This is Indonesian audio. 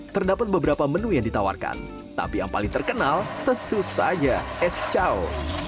terdapat beberapa menu yang ditawarkan tapi yang paling terkenal tentu saja es chow